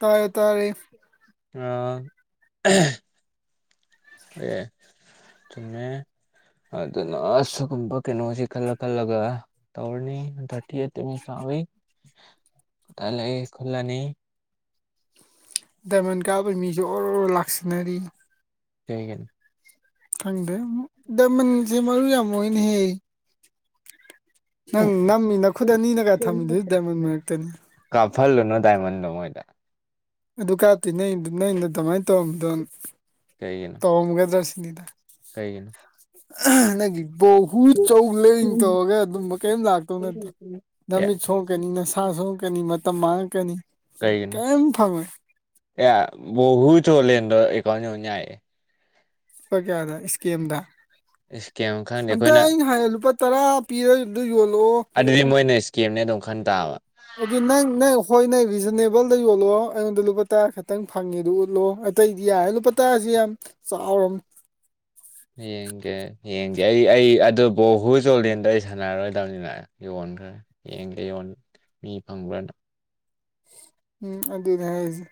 ꯇꯥꯔꯦ ꯇꯥꯔꯦ [unintelligible] ꯑꯗꯨꯅ [inaudible] ꯁꯤꯒꯨꯝꯕ ꯀꯩꯅꯣꯁꯤ ꯈꯜꯂ ꯈꯜꯂꯒ [inaudible] ꯇꯧꯔꯅꯤ ꯊꯥꯔꯇꯤ ꯑꯩꯠ [unintelligible] ꯃꯤꯁ ꯇꯥꯕꯩ [inaudible] [unintelligible] ꯂꯩ ꯈꯨꯜꯂꯥꯅꯤ ꯗꯥꯏꯃꯟ ꯀꯥꯏꯕꯩ ꯃꯤꯁꯨ ꯑꯣꯔꯣꯔꯣ ꯂꯥꯛꯁꯟꯅꯔꯤ ꯀꯩꯒꯤꯅꯣ ꯊꯪꯗꯦ ꯗꯥꯏꯃꯟꯖꯦ ꯃꯔꯨ ꯌꯥꯝ ꯑꯣꯏꯅꯦꯍꯦ ꯅꯪ ꯅꯝꯃꯤ ꯅꯈꯨꯠ ꯑꯅꯤꯅꯒ ꯊꯝꯃꯤꯗꯨꯗꯤ ꯗꯃꯟ ꯃꯔꯛꯇꯅꯤ ꯀꯥꯞꯐꯜ ꯂꯨꯅꯨ ꯗꯥꯥꯏꯃꯟꯗꯣ ꯃꯣꯏꯗ ꯑꯗꯨ ꯀꯥꯇꯤꯉꯩ ꯅꯪ ꯅꯪꯩꯅ ꯑꯗꯨꯃꯥꯏꯅ ꯇꯧꯔꯝꯕꯗꯣ ꯀꯩꯒꯤꯅꯣ ꯇꯧꯔꯝꯒꯗ꯭ꯔꯥ ꯁꯤꯅꯤꯗ ꯀꯩꯒꯤꯅꯣ ꯅꯪꯒꯤ ꯕꯍꯨꯠ ꯆꯧ ꯂꯦꯡ ꯇꯧꯔꯒ ꯑꯗꯨꯝꯕ ꯀꯔꯤꯝ ꯂꯥꯛꯇꯧ ꯅꯠꯇꯦ ꯅꯨꯃꯤꯠ ꯁꯣꯛꯀꯅꯤ ꯅꯁꯥ ꯁꯣꯛꯀꯅꯤ ꯃꯇꯝ ꯃꯥꯡꯉꯛꯀꯅꯤ ꯀꯩꯒꯤꯅꯣ ꯀꯩꯝ ꯐꯪꯉꯣꯏ [unintelligible] ꯂꯨꯄꯥ ꯀꯌꯥꯗ ꯏꯁꯀꯦꯞꯗ ꯏꯁꯀꯦꯝ ꯈꯪꯗꯦ ꯑꯝꯇ ꯑꯩꯈꯣꯏꯅ ꯑꯩꯅ ꯍꯥꯏꯌꯦ ꯂꯨꯄꯥ ꯇꯔꯥ ꯄꯤꯔ ꯑꯗꯨ ꯌꯣꯜꯂꯣ ꯀꯦꯝꯅꯦ ꯑꯗꯨꯝ ꯈꯟ ꯇꯥꯕ ꯑꯗꯨ ꯅꯪ ꯅꯪ ꯍꯣꯏ ꯅꯪ ꯔꯤꯖꯅꯦꯕꯜꯗ ꯌꯣꯜꯂꯣ ꯑꯩꯉꯣꯟꯗ ꯂꯨꯄꯥ ꯇꯔꯥ ꯈꯛꯇꯪ ꯐꯪꯉꯦꯗꯨ ꯎꯠꯂꯣ ꯑꯇꯩꯗꯤ ꯌꯥꯔꯦ ꯂꯨꯄꯥ ꯇꯔꯥꯁꯤ ꯌꯥꯝ ꯆꯥꯎꯔꯝꯅꯦ ꯌꯦꯡꯒꯦ ꯌꯦꯡꯖꯦ ꯑꯩ ꯑꯩ ꯑꯗꯨ ꯕꯣꯍꯨ ꯆꯣꯗꯦꯟꯗ ꯑꯩ ꯁꯥꯟꯅꯔꯣꯏꯗꯕꯅꯤ ꯅꯪ ꯌꯣꯟꯈ꯭ꯔꯦ ꯌꯦꯡꯒꯦ ꯌꯣꯟ ꯃꯤ ꯐꯪꯕ꯭ꯔꯅ ꯎꯝ ꯑꯗꯨꯅꯦ ꯍꯥꯏꯁꯦ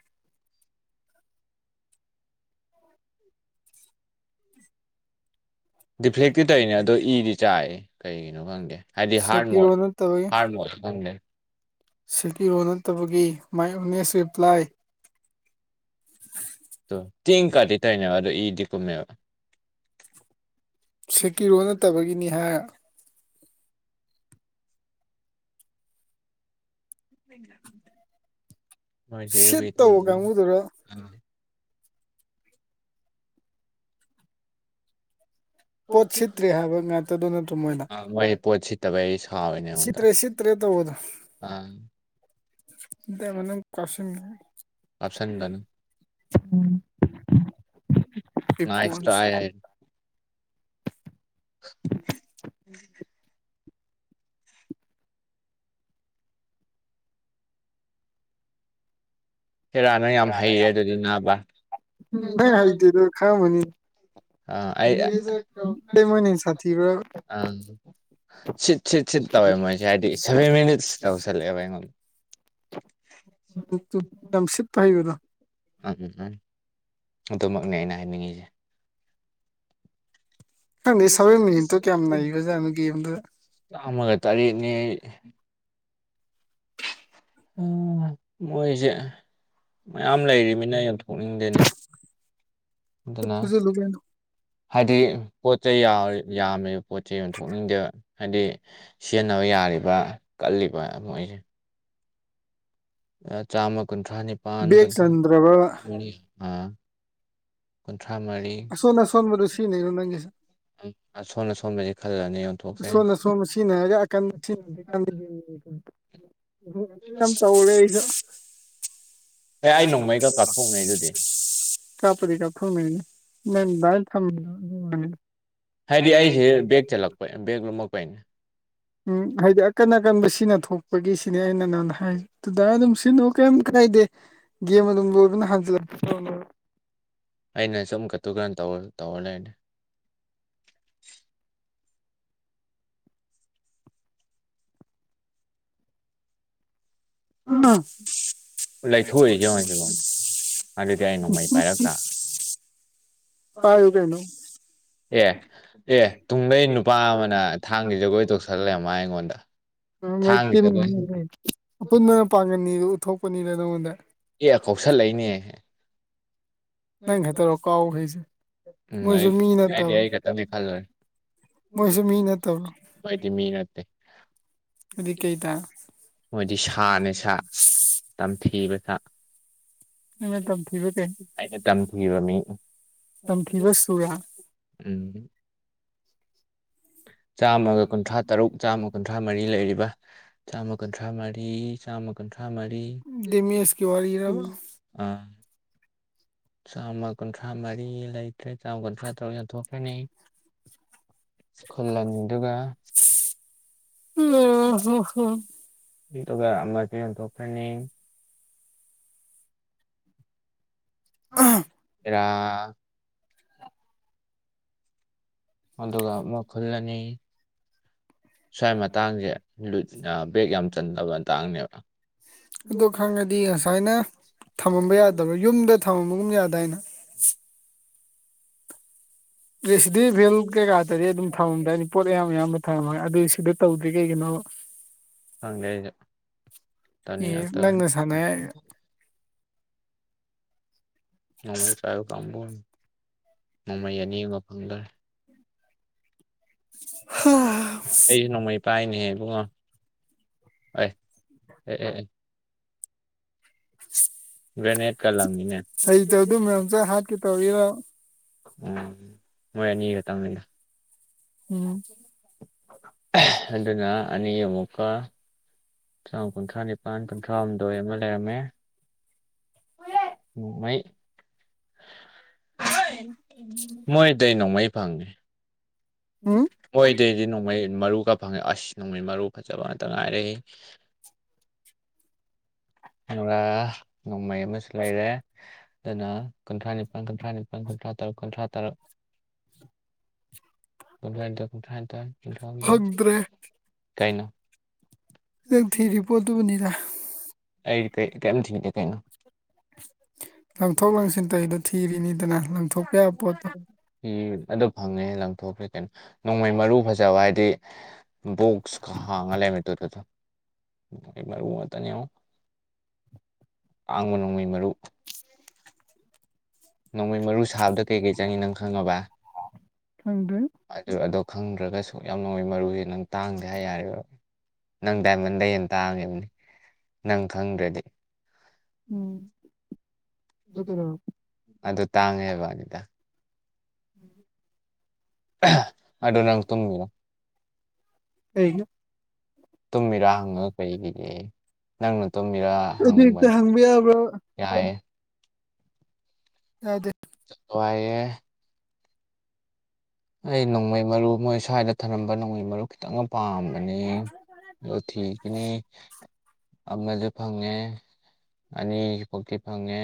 ꯗꯤꯐ꯭ꯂꯦꯛꯇꯤ ꯇꯧꯔꯤꯅꯦ ꯑꯗꯣ ꯏꯗꯤ ꯆꯥꯏꯦ ꯀꯩꯒꯤꯅꯣ ꯈꯪꯗꯦ ꯍꯥꯏꯗꯤ ꯍꯥꯔꯠ ꯃꯣꯠ ꯁꯦꯀꯤꯔꯣ ꯅꯠꯇꯕꯒꯤ ꯍꯥꯔꯠ ꯃꯣꯠꯁꯨ ꯈꯪꯗꯦ ꯁꯤꯀꯤꯔꯣ ꯅꯠꯇꯕꯒꯤ ꯃꯥꯏ ꯑꯣꯛꯅꯦꯁ ꯔꯤꯄ꯭ꯂꯥꯏ ꯇꯣ ꯇꯤꯡ ꯀꯥꯗꯤ ꯇꯧꯏꯅꯦꯕ ꯑꯗꯣ ꯏꯗꯤꯀꯨꯝꯃꯦꯕ ꯁꯦꯀꯤꯔꯣ ꯅꯠꯇꯕꯒꯤꯅꯤ ꯍꯥꯏꯔ [inaudible] ꯃꯣꯏꯁꯦ ꯁꯤꯠ ꯇꯧꯕ ꯀꯥꯡꯒꯨꯗꯨꯔ [unintelligible] ꯄꯣꯠ ꯁꯤꯠꯇ꯭ꯔꯦ ꯍꯥꯏꯕ ꯉꯥꯛꯇꯗꯣ ꯅꯠꯇ꯭ꯔꯣ ꯃꯣꯏꯅ ꯃꯣꯏ ꯄꯣꯠ ꯁꯤꯠꯇꯕ ꯑꯩ ꯁꯥꯎꯔꯤꯅꯦ ꯑꯩꯉꯣꯟꯗ ꯁꯤꯇ꯭ꯔꯦ ꯁꯤꯠꯇ꯭ꯔꯦ ꯇꯧꯕꯗꯣ ꯑꯥ [unintelligible] ꯍꯥꯞꯁꯟꯒꯅꯤ ꯎꯝ ꯅꯥꯏꯁ ꯇꯔ꯭ꯥꯏ [inaudible] ꯍꯦꯔꯥ ꯅꯪ ꯌꯥꯝ ꯍꯩꯔꯦ ꯑꯗꯨꯗꯤ ꯅꯥꯕ ꯅꯪ ꯍꯩꯇꯦꯗꯣ ꯈꯪꯉꯝꯃꯅꯤ ꯑ ꯑꯩ [unintelligible] ꯑ ꯃꯣꯏꯅ ꯍꯦꯟꯅ ꯁꯥꯊꯤꯕ꯭ꯔꯥ ꯁꯤꯠ ꯁꯤꯠ ꯁꯤꯠ ꯇꯧꯋꯦ ꯃꯣꯏꯖꯦ ꯍꯥꯏꯗꯤ ꯁꯚꯦꯔꯦꯔꯤꯠꯁ ꯇꯧꯁꯜꯂꯦꯕ ꯑꯩꯉꯣꯜꯗ [unintelligible] ꯌꯥꯝ ꯁꯤꯠꯄ ꯍꯩꯕꯗꯣ ꯎꯝ ꯎꯝ ꯎꯝ ꯑꯗꯨꯃꯛꯅꯦ ꯑꯩꯅ ꯍꯥꯏꯅꯤꯡꯉꯤꯁꯦ ꯈꯪꯗꯦ ꯁꯚꯦꯟ ꯃꯤꯅꯠꯇ ꯀꯌꯥꯝ ꯅꯩꯒ꯭ꯔ ꯖꯥꯠꯅꯣ ꯒꯦꯝꯗ ꯆꯥꯝꯃꯒ ꯇꯔꯦꯠꯅꯤ ꯃꯣꯏꯁꯦ ꯃꯌꯥꯝ ꯂꯩꯔꯤꯕꯅꯤꯅ ꯌꯣꯟꯊꯣꯛꯅꯤꯡꯗꯦꯅꯦ ꯑꯗꯨꯅ ꯐꯨꯖꯜꯂꯨ ꯀꯩꯅꯣ ꯍꯥꯏꯗꯤ ꯄꯣꯠ ꯆꯩ ꯌꯥꯎꯔꯤ ꯌꯥꯝꯃꯦꯕ ꯄꯣꯠ ꯆꯦ ꯌꯣꯟꯊꯣꯛꯅꯤꯡꯗꯦꯕ ꯍꯥꯏꯗꯤ ꯁꯤꯟꯅꯕ ꯌꯥꯔꯤꯕ ꯀꯜꯂꯤꯕ ꯃꯣꯏꯁꯦ ꯆꯥꯝꯃ ꯀꯨꯟꯊ꯭ꯔꯥ ꯅꯤ ꯕꯦꯛ ꯆꯟꯗ꯭ꯔꯕꯕ ꯑꯥ ꯀꯨꯟꯊ꯭ꯔꯥ ꯃꯔꯤ ꯑꯁꯣꯟ ꯑꯁꯣꯟꯕꯗꯣ ꯁꯤꯖꯤꯟꯅꯩꯔꯣ ꯅꯪꯒꯤꯁꯦ ꯁꯣꯝꯗ ꯁꯣꯝꯗ [unintelligible] ꯁꯣꯝꯅ ꯁꯣꯝ ꯁꯤꯖꯤꯟꯅꯔꯒ [unintelligible] ꯎ ꯌꯥꯝ ꯇꯧꯔꯦ ꯑꯩꯁꯨ ꯑꯦ ꯀꯩ ꯑꯩ ꯍꯥꯏꯅꯣ ꯅꯣꯡꯃꯩꯒ ꯀꯥꯞꯊꯣꯛꯅꯩ ꯑꯗꯨꯗꯤ [unintelligible] ꯀꯥꯞꯄꯗꯤ ꯀꯞ [unintelligible] ꯍꯥꯏꯗꯤ ꯑꯩꯁꯦ ꯕꯦꯦꯛ ꯆꯠꯂꯛꯄ ꯕꯦꯛ ꯂꯨꯝꯃꯛꯄꯩꯅꯦ ꯎꯝ ꯍꯥꯏꯗꯤ ꯑꯀꯟ ꯑꯀꯟꯕ ꯁꯤꯅ ꯊꯣꯛꯄꯒꯤ ꯁꯤꯅꯦ ꯑꯩꯅ ꯅꯉꯣꯟꯗ ꯍꯥꯏꯁꯦ ꯇꯨꯗꯥ ꯑꯗꯨꯝ ꯁꯤꯟꯅꯣ ꯀꯔꯤꯝ ꯀꯥꯏꯗꯦ ꯒꯦꯝ ꯑꯗꯨꯝ ꯂꯣꯏꯕꯅ ꯍꯟꯖꯤꯜꯂꯛ [unintelligible] ꯑꯩꯅ ꯁꯨꯝ ꯀꯇꯨꯛ ꯀꯥꯔꯟ ꯇꯧꯔ ꯂꯩꯔꯅꯦ ꯑꯝꯃ ꯂꯩꯊꯣꯛꯏꯁꯦ ꯌꯦꯡꯉꯣ ꯁꯤꯕꯣ ꯑꯗꯨꯗꯤ ꯑꯩ ꯅꯣꯡꯃꯩ ꯄꯥꯏꯔꯛ ꯇꯥ [unintelligible] ꯄꯥꯏꯌꯨ ꯀꯩꯅꫭ ꯑꯦ ꯑꯦ ꯇꯨꯡꯗꯩ ꯅꯨꯄꯥ ꯑꯃꯅ ꯊꯥꯡꯒꯤ ꯖꯒꯣꯏ ꯇꯧꯁꯜ ꯂꯩꯔꯝꯕꯩꯋꯥꯅꯦ ꯑꯩꯉꯣꯟꯗ ꯃꯩ ꯊꯥꯡꯒꯤ ꯇꯤꯟ ꯖꯒꯣꯏ ꯑꯄꯨꯟꯕꯅ ꯄꯥꯡꯒꯟꯅꯤꯗꯨ ꯎꯠꯊꯣꯛꯄꯅꯤꯗ ꯅꯉꯣꯟꯗ ꯑꯦ ꯀꯧꯁꯜꯂꯩꯅꯦ ꯅꯪ ꯈꯠꯇꯔꯣ ꯀꯥꯎꯍꯩ ꯅꯩ ꯑꯩꯗꯤ ꯑꯩꯈꯠꯇꯅꯦ ꯈꯜꯂꯨꯔꯦ ꯃꫭꯏꯁꯨ ꯃꯣꯏꯁꯨ ꯃꯤ ꯃꯤꯅꯤ ꯅꯠꯇꯕ꯭ꯔꯣ ꯃꫭꯏꯗꯤ ꯃꯤ ꯅꯠꯇꯦ ꯑꯗꯨꯗꯤ ꯀꯩ ꯇꯥꯔꯦ ꯃꯣꯏꯗꯤ ꯁꯥꯅꯦ ꯁꯥ ꯇꯝꯊꯤꯕ ꯁꯥ ꯑꯩꯅ ꯇꯝꯊꯤꯕ ꯀꯩ ꯑꯩꯅ ꯇꯝꯊꯤꯕ ꯃꯤꯅꯤ ꯇꯝꯊꯤꯕ ꯁꯨꯔꯥ ꯎꯝ ꯆꯥꯝꯃꯒ ꯀꯨꯟꯊ꯭ꯔꯥ ꯇꯔꯨꯛ ꯆꯥꯝꯃ ꯀꯨꯟꯊ꯭ꯔꯥ ꯃꯔꯤ ꯂꯩꯔꯤꯕ ꯆꯥꯝꯃ ꯀꯨꯟꯊ꯭ꯔꯥ ꯃꯔꯤ ꯆꯥꯝꯃ ꯀꯨꯟꯊ꯭ꯔꯥ ꯃꯔꯤ ꯗꯦꯃꯦꯖꯀꯤ ꯋꯥꯔꯤꯔꯕ ꯑꯥ ꯆꯥꯝꯃ ꯀꯨꯟꯊ꯭ꯔꯥ ꯃꯔꯤ ꯂꯩꯇ꯭ꯔꯦ ꯆꯥꯝꯃ ꯀꯨꯟꯊ꯭ꯔꯥ ꯇꯔꯨꯛ ꯌꯥꯟꯊꯣꯛꯈ꯭ꯔꯅꯤ ꯏꯁꯈꯨꯜꯂꯅꯤ ꯑꯗꯨꯒ ꯎꯝ ꯍꫭ ꯍꫭ ꯑꯅꯤꯗꯨꯒ ꯑꯃꯖꯨ ꯌꯣꯟꯊꯣꯛꯈ꯭ꯔꯅꯤ ꯍꯦꯔꯥ ꯑꯗꯨꯒ ꯑꯃꯨꯛ ꯈꯨꯜꯂꯅꯤ ꯁꯨꯋꯥꯏ ꯃꯇꯥꯡꯁꯦ ꯂꯨꯠꯅ ꯕꯔꯦꯛ ꯌꯥꯝ ꯆꯟꯗꯕ ꯃꯇꯥꯡꯅꯦꯕ ꯑꯗꯨ ꯈꯪꯉꯗꯤ ꯉꯁꯥꯏꯅ ꯊꯝꯃꯝꯕ ꯌꯥꯗꯕ꯭ꯔꯥ ꯌꯨꯝꯗ ꯊꯝꯃꯝꯕꯒꯨꯝ ꯌꯥꯗꯥꯏꯅ ꯔꯤꯁꯤꯕꯦꯜ ꯀꯩꯀꯥ ꯇꯨꯗꯤ ꯑꯗꯨꯝ ꯊꯝꯃꯝꯗꯥꯏꯅꯤ ꯄꯣꯠ ꯑꯌꯥꯝ ꯑꯌꯥꯝꯕ ꯊꯃꯝꯃꯒ ꯑꯗꯨꯏ ꯏꯁꯀ꯭ꯔꯤꯞ ꯇꯧꯗ꯭ꯔꯤ ꯀꯩꯒꯤꯅꯣ ꯈꯪꯗꯦ ꯑꯩꯁꯨ ꯑꯦ ꯇꯧꯅꯤꯡꯉꯛꯇꯕꯅꯤ ꯅꯪꯅ ꯁꯥꯟꯅ ꯅꯣꯡꯃꯩ ꯕꯥꯏꯕ ꯀꯥꯡꯕꯨ ꯅꯣꯡꯃꯩ ꯑꯅꯤ ꯃ ꯐꯪꯗꯔꯦ [unintelligible] ꯑꯩꯁꯨ ꯅꯣꯡꯃꯩ ꯄꯥꯏꯅꯦꯍꯦ ꯏꯕꯨꯡꯉꯣ ꯑꯦ ꯑꯦ ꯑꯦ ꯒꯔꯦꯅꯦꯠꯀ ꯂꯪꯉꯤꯅꯦ ꯑꯩꯗꫭ ꯑꯗꯨ ꯃꯌꯥꯝ ꯆꯪꯉ ꯍꯀꯦ ꯇꯧꯔꯤꯔ ꯎꯝ ꯃꯣꯏ ꯑꯅꯤ ꯈꯛꯇꯪ ꯅꯤꯗ ꯎꯝ ꯑꯗꯨꯅ ꯑꯅꯤ ꯑꯃꯨꯛꯀ ꯆꯥꯝ ꯀꯨꯟꯊ꯭ꯔꯥ ꯅꯤꯄꯟ ꯀꯨꯟꯊ꯭ꯔꯥꯍꯨꯝꯗꯣꯏ ꯑꯃ ꯂꯩꯔꯝꯃꯦ ꯃꯩ ꯃꯣꯏꯗꯩ ꯅꯣꯡꯃꯩ ꯐꯪꯉꯦ ꯎꯝ ꯃꯣꯏꯗꯩꯗꯤ ꯅꯣꯡꯃꯩ ꯃꯔꯨ ꯈꯔ ꯐꯪꯉꯦ ꯑꯁ ꯅꯣꯡꯃꯩ ꯃꯔꯨ ꯐꯖꯕ ꯉꯥꯛꯇ ꯉꯥꯏꯔꯦꯍꯦ [unintelligible] ꯑꯗꯨꯒ ꯅꯣꯡꯃꯩ ꯑꯃꯁꯨ ꯂꯩꯔꯦ ꯑꯗꯨꯅ ꯀꯨꯟꯊ꯭ꯔꯥ ꯅꯤꯄꯞ ꯀꯨꯟꯊ꯭ꯔꯥ ꯅꯤꯄꯟ ꯀꯨꯟꯊ꯭ꯔꯥ ꯇꯔꯨꯛ ꯀꯨꯟꯊ꯭ꯔꯥ ꯇꯔꯨꯛ ꯀꯨꯟꯊ꯭ꯔꯥꯏꯟꯊꯣꯏ ꯀꯨꯟꯊ꯭ꯔꯥꯏꯟꯊꯣꯏ ꯀꯨꯟꯊ꯭ꯔꯥꯍꯨꯝꯗꯣꯏ ꯐꯪꯗ꯭ꯔꯦ ꯀꯩꯅꯣ ꯇꯨꯅꯤꯗꯥ ꯑꯩꯒꯤꯗꯤ ꯀꯩꯝ ꯊꯤꯡꯗꯦ ꯀꯩꯅꯣ ꯂꯪꯊꯣꯛ ꯂꯪꯁꯤꯟ ꯇꯧꯗꯣ ꯊꯤꯔꯤꯅꯤꯗꯅ ꯂꯪꯊꯣꯛꯄ ꯌꯥꯕ ꯄꯣꯠꯇꯣ ꯎ ꯑꯗꯨ ꯐꯪꯉꯦ ꯂꯪꯊꯣꯛ ꯈꯔꯦ ꯀꯩꯅꯣ ꯅꯣꯡꯃꯩ ꯃꯔꯨ ꯐꯖꯕ ꯍꯥꯏꯗꯤ ꯕꫭꯛꯁ ꯀ ꯍꯥꯡꯉ ꯂꯩꯔꯝꯃꯦ ꯑꯗꯨꯗꯗꯨꯝ ꯅꯣꯡꯃꯩ ꯃꯔꯨ ꯉꯥꯛꯇꯅꯦ ꯌꯦꯡꯉꫭ ꯑꯍꯥꯡꯕ ꯅꯣꯡꯃꯩ ꯃꯔꯨ ꯅꯣꯡꯃꯩ ꯃꯔꯨ ꯁꯥꯕꯗ ꯀꯩꯀꯩ ꯆꯪꯉꯤ ꯅꯪ ꯈꯪꯉꯕ ꯈꯪꯗ꯭ꯔꯦ ꯑꯗꯨ ꯑꯗꯣ ꯈꯪꯗ꯭ꯔꯒ ꯑꯁꯨꯛꯌꯥꯝ ꯅꯣꯡꯃꯩ ꯃꯔꯨꯁꯦ ꯅꯪ ꯇꯥꯡꯗꯦ ꯍꯥꯏ ꯌꯥꯔꯤꯕ ꯅꯪ ꯗꯥꯏꯃꯟꯗꯩ ꯍꯟ ꯇꯥꯡꯉꯤꯅꯤ ꯅꯪ ꯈꯪꯗ꯭ꯔꯗꯤ ꯎꯝ ꯑꯗꯨ ꯀꯩꯗꯧꯔꯕ ꯑꯗꯨ ꯇꯥꯡꯉꯦꯕ ꯑꯅꯤꯗ ꯝ [inaudible] ꯑꯗꯨ ꯅꯪ ꯇꯨꯝꯃꯤꯔꯣ ꯑꯩꯅ ꯇꯨꯝꯃꯤꯔꯥ ꯍꯡꯉ ꯀꯩꯒꯤꯒꯦ ꯅꯪꯅ ꯇꯨꯝꯃꯤꯔꯥ ꯑꯗꯨ ꯍꯪꯕ ꯍꯦꯛꯇ ꯌꯥꯕ꯭ꯔꯣ ꯌꯥꯢꯌꯦ ꯑꯩꯗꯤ ꯋꯥꯏꯌꯦ ꯑꯩ ꯅꯣꯡꯃꯩ ꯃꯔꯨ ꯃꯣꯏ ꯁ꯭ꯋꯥꯏꯗ ꯊꯅꯝꯕ ꯅꯣꯡꯃꯩ ꯃꯔꯨ ꯈꯤꯇꯪ ꯄꯥꯝꯕꯅꯤ ꯑꯗꯨ ꯊꯤꯈꯤꯅꯤ ꯑꯃꯖꯨ ꯐꯪꯉꯦ ꯑꯅꯤ ꯐꯧꯇꯤ ꯐꯪꯉꯦ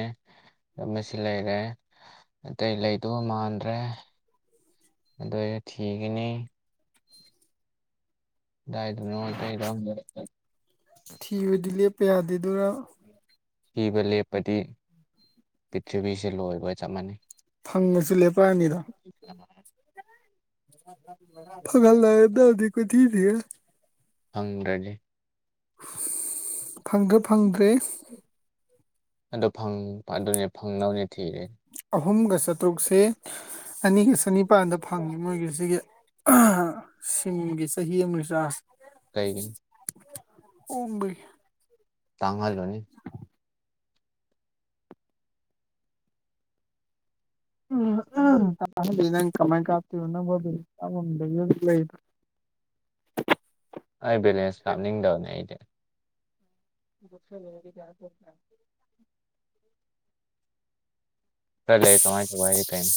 ꯑꯃ ꯁꯤ ꯂꯩꯔꯦ ꯑꯇꯩ ꯂꯩꯗꯧꯕ ꯃꯥꯟꯗ꯭ꯔꯦ ꯑꯗꯨ ꯑꯩ ꯊꯤꯒꯅꯤ ꯀꯗꯥꯏꯗꯅꯣ ꯑꯇꯩꯗ ꯑꯃꯨꯛ ꯄꯤꯌꯥꯗꯤꯗꯨꯔ ꯒ ꯂꯦꯞꯄꯗꯤ [unintelligible] ꯄ꯭ꯔꯤꯊꯤꯕꯤꯁꯦ ꯂꯣꯏꯕꯒ ꯆꯞ ꯃꯥꯟꯅꯩ ꯐꯪꯕꯁꯨ ꯂꯦꯞꯄꯛꯑꯅꯤꯗꯣ ꯐꯒꯠꯂꯛꯑꯗꯕꯅꯤ ꯀꯣꯏꯊꯤ ꯊꯤꯔꯒ ꯐꯪꯗ꯭ꯔꯗꯤ ꯐꯪꯗ꯭ꯔ ꯐꯪꯗ꯭ꯔꯦ ꯑꯗꯨ ꯐꯪ ꯑꯗꯨꯅꯤ ꯐꯪꯅꯕꯅꯦ ꯊꯤꯔꯤꯁꯦ ꯑꯍꯨꯝꯒ ꯆꯥꯇ꯭ꯔꯨꯛꯁꯦ ꯑꯅꯤꯒ ꯆꯅꯤꯄꯥꯥꯟꯗ ꯐꯪꯉꯤ ꯃꯣꯏꯒꯤ ꯁꯤꯒꯤ ꯁꯤꯝꯒꯤ ꯆꯍꯤ ꯑꯃ ꯔꯤꯆꯥꯔꯁ ꯍ ꯀꯩꯒꯤꯅꯣ ꫪꯣꯡꯕꯒꯤ ꯇꯥꯡꯍꯜꯂꯨꯅꯤ ꯀꯃꯥꯏ ꯀꯇ ꯂꯩ [unintelligible] ꯑꯩ ꯕꯦꯂꯦꯟꯁ ꯀꯥꯞꯅꯤꯡꯗꯕꯅꯦ ꯑꯩꯗꯤ ꯇꯜꯂꯦ ꯑꯩ ꯆꯪꯋꯥꯏ ꯆꯪꯋꯥꯏꯖꯦ ꯀꯩꯅꯣ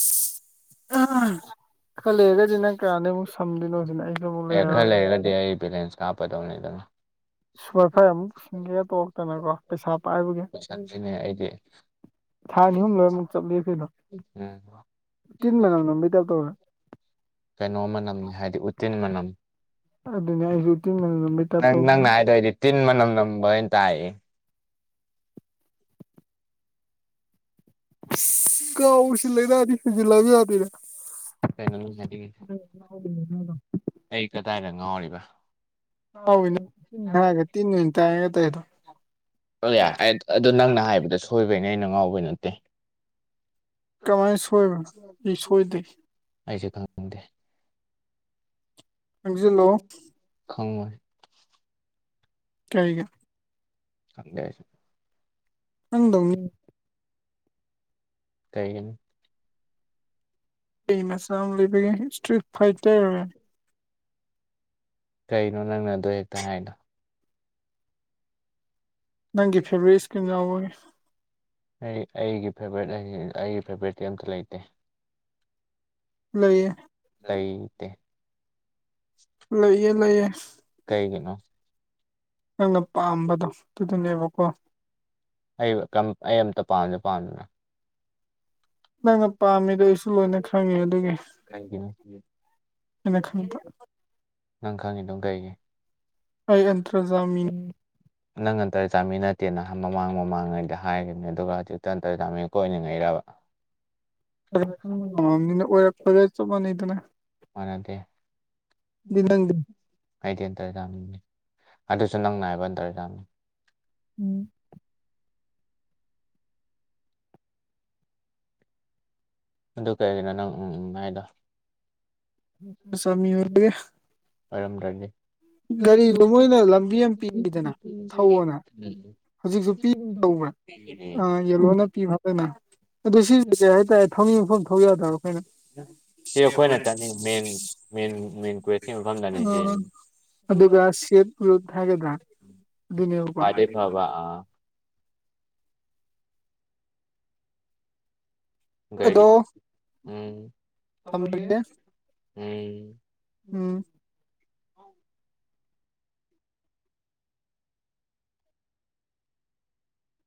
ꯗꯤꯅꯣꯖꯤꯅ ꯑꯩ ꯑꯦ ꯈꯔ ꯂꯩꯔꯒꯗꯤ ꯑꯩ ꯕꯦꯂꯦꯟꯁ ꯀꯥꯞꯄꯗꯧꯅꯤꯗ ꯋꯥꯏꯐꯥꯏ ꯑꯃꯨꯛ ꯁꯤꯟꯒꯦꯒ ꯇꯧꯔꯛꯇꯅꯀꯣ ꯄꯩꯁꯥ ꯄꯥꯏꯕꯒꯤ ꯂꯣꯏꯁꯟꯗ꯭ꯔꯤꯅꯦ ꯑꯩꯗꯤ ꯊꯥ ꯑꯅꯤ ꯑꯍꯨꯝ ꯂꯣꯏꯔ ꯑꯃꯨꯛ ꯆꯞ ꯂꯦꯞꯈꯤꯗꯣ ꯎꯝ ꯇꯤꯟ ꯃꯅꯝ ꯅꯝꯕꯩ ꯇꯥꯢꯞ ꯇꯧꯔꯦ ꯀꯩꯅꯣ ꯃꯅꯝꯅꯤ ꯍꯥꯏꯗꯤ ꯎꯇꯤꯟ ꯃꯅꯝ ꯑꯗꯨꯅꯦ ꯑꯩꯖꯨ ꯎꯇꯤꯟ ꯃꯅꯝ ꯅꯝꯕꯩ ꯇꯥꯏꯞ ꯅꯪ ꯅꯪꯅ ꯇꯧꯗꯅ ꯍꯥꯏꯗꯣ ꯑꯩꯗꯤ ꯇꯤꯟ ꯃꯅꯝ ꯅꯝꯕ ꯑꯅ ꯇꯥꯏꯌꯦ ꯀꯥꯎ ꯁꯤꯜ ꯂꯩ ꯇꯑꯗꯤ ꯁꯤꯖꯤꯜꯂꯕ ꯌꯥꯗꯦ꯫ ꯍꯥꯏꯗ ꯀꯩꯅꯣ ꯅꯪ ꯍꯥꯏꯅꯤꯡꯉꯤꯁꯦ [unintelligible] ꯑꯩ ꯀꯗꯥꯏꯗ ꯉꯥꯎꯔꯤꯕ꯫ ꯍꯋꯤꯅ ꯇꯤꯟ ꯍꯥꯏꯔꯒ ꯇꯤꯟꯑꯣꯢꯅ ꯇꯥꯏꯔꯒ ꯇꯧ ꯑꯗꯣ꯫ ꯑꯗꯨ ꯅꯪꯅ ꯍꯥꯏꯕꯗ ꯁꯣꯏꯕꯩꯅꯦ ꯑꯩꯅ ꯉꯥꯎꯕꯩ ꯅꯠꯇꯦ꯫ ꯀꯃꯥꯏꯅ ꯁꯣꯏꯕꯅꯣ ꯑꯩ ꯁꯣꯏꯗꯦ꯫ ꯑꯩꯁꯦ ꯈꯪꯅꯤꯡꯗꯦ꯫ ꯆꯪꯖꯤꯜꯂꯣ ꯈꯡꯉꯣꯏ꯫ ꯀꯩꯒꯤ ꯈꯪꯗꯦ ꯑꯩꯁꯨ ꯅꯪꯗꯧꯅꯤ ꯀꯩꯒꯤꯟ ꯑꯩ ꯃꯆꯥꯥ ꯑꯃ ꯂꯩꯕꯤꯒꯦ ꯏꯁꯇ꯭ꯔꯤꯠ ꯐꯥꯏꯇ꯭ꯔ ꯀꯩꯅꯣ ꯅꯪꯅ ꯑꯗꯨ‌ ꯍꯦꯛꯇ ꯍꯥꯏꯔꯤꯗꯣ ꯅꯪꯒꯤ ꯐꯦꯕꯣꯔꯤꯠ ꯏꯁꯀꯤꯟ ꯌꯥꯎꯕꯒꯤ ꯑꯩ ꯑꯩꯒꯤ ꯐꯦꯚꯣꯔꯥꯏꯠ ꯑꯩꯒꯤ ꯑꯩꯒꯤ ꯐꯦꯚꯣꯔꯥꯏꯠꯇꯤ ꯑꯝꯇ ꯂꯩꯇꯦ ꯂꯩꯌꯦ ꯂꯩꯇꯦ꯫ ꯂꯩꯌꯦ ꯂꯩꯌꯦ ꯀꯩꯒꯤꯅꯣ꯫ ꯅꯪꯅ ꯄꯥꯝꯕꯗꯣ ꯑꯗꯨꯅꯦꯕꯀꯣ꯫ ꯑꯩ ꯑꯩ ꯑꯝꯇ ꯄꯥꯝꯗꯦ ꯄꯥꯝꯃꯤꯗꯅ꯫ ꯅꯪꯅ ꯄꯥꯝꯃꯤꯗꯣ ꯑꯩꯁꯨ ꯂꯣꯏꯅ ꯈꯪꯉꯤ ꯑꯗꯨꯒꯤ ꯀꯩꯒꯤꯅꯣ ꯑꯩꯅ ꯈꯪꯕ꯫ ꯅꯪ ꯈꯪꯉꯤꯗꯨ ꯀꯩꯒꯤ꯫ ꯑꯩ ꯑꯟꯇ꯭ꯔꯖꯥꯃꯤꯅꯤ꯫ ꯅꯪ ꯉꯟꯇꯔ ꯆꯥꯃꯤ ꯅꯠꯇꯦꯅ ꯃꯃꯥꯡ ꯃꯃꯥꯡꯉꯩꯗ ꯍꯥꯏꯈꯤꯕꯅꯦ ꯑꯗꯨꯒ ꯍꯧꯖꯤꯛꯇ ꯉꯟꯇꯔ ꯆꯥꯃꯤ ꯀꯣꯏꯅꯤꯡꯉꯩꯔꯕ꯫ [unintelligible] ꯑꯣꯏꯔꯛꯄꯒ ꯆꯞ ꯃꯥꯟꯅꯩꯗꯅ꯫ ꯃꯥꯟꯅꯗꯦ ꯑꯗꯨꯗꯤ ꯅꯪꯗꯤ ꯑꯩꯗꯤ ꯑꯟꯇꯔꯖꯥ ꯑꯗꯨꯁꯨ ꯅꯪ ꯅꯥꯏꯕ ꯑꯟꯇꯔꯖꯥꯅꯤ꯫ ꯎꯝ꯫ ꯑꯗꯨ ꯀꯔꯤꯒꯤꯅꯣ ꯅꯪ ꯎꯝ ꯎꯝ ꯍꯥꯏꯗꯣ꯫ ꯁꯃꯤ ꯑꯣꯢꯕꯒꯤ꯫ ꯑꯣꯢꯔꯝꯗꯔꯗꯤ꯫ ꯒꯥꯔꯤꯗꯣ ꯃꯣꯏꯅ ꯂꯝꯕꯤ ꯑꯃ ꯄꯤꯕꯤꯗꯅ ꯊꯧꯑꯣꯅ ꯍꯧꯖꯤꯛꯁꯨ ꯄꯤ ꯇꯧꯕ꯭ꯔꯥ ꯑ ꯌꯦꯂꯣꯅ ꯄꯤꯕꯔ꯫ ꯑꯗꯨꯅ ꯑꯗꯨ ꯁꯤꯁꯦ ꯍꯥꯏꯇꯥꯔꯦ ꯊꯧꯅꯤꯡ ꯃꯐꯝ ꯊꯧ ꯌꯥꯗꯕꯣ ꯑꯩꯈꯣꯏꯅ꯫ ꯁꯤ ꯑꯩꯈꯣꯏꯅ ꯆꯠꯅꯤꯡ ꯃꯦꯟ ꯃꯦꯟ ꯃꯦꯟ ꯀ꯭ꯋꯦꯁꯀꯤ ꯃꯐꯝꯗꯅꯤ ꯁꯤ [unintelligible] ꯑ꯫ ꯑꯗꯨꯒ ꯁꯦꯠꯂꯨ ꯍꯥꯏꯒꯗ꯭ꯔꯥ ꯑꯗꯨꯅꯦꯕꯀꯣ꯫ ꯑ꯫ ꯍꯂꯣ ꯒꯔꯤ ꯑꯗꯣ ꯊꯝꯃꯒꯦ ꯎꯝ ꯎꯝ꯫ ꯎꯝ꯫